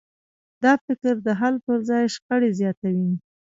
دا فکر د حل پر ځای شخړې زیاتوي.